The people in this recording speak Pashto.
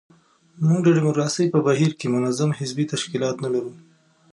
موږ د ډیموکراسۍ په بهیر کې منظم حزبي تشکیلات نه لرو.